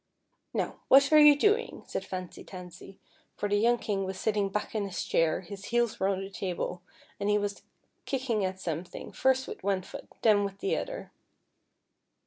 " Now, what are you doing ?" said Fancy Tansy, for the young King was sitting back in his chair, his heels were on the table, and he was kicking at something, first with one foot, then with the other.